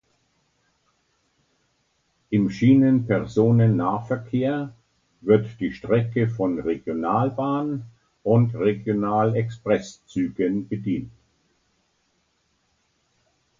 Im Schienenpersonennahverkehr wird die Strecke von Regionalbahn- und Regional-Express-Zügen bedient.